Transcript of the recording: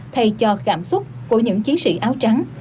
thay cho cảm xúc của những chiến sĩ áo trắng